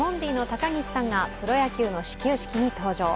高岸さんがプロ野球の始球式に登場。